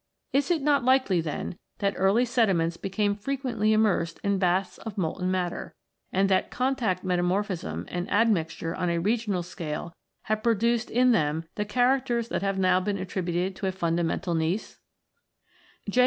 Is it not likely, then, that early sediments became frequently immersed in baths of molten matter, and that contact metamorphism and admixture on a regional scale have produced in them the characters that have been attributed to a fundamental gneissdos)? J.